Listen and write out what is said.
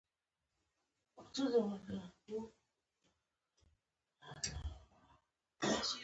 احمد نن بې معنا خبرې وکړې.